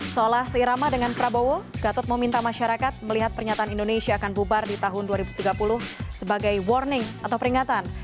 seolah seirama dengan prabowo gatot meminta masyarakat melihat pernyataan indonesia akan bubar di tahun dua ribu tiga puluh sebagai warning atau peringatan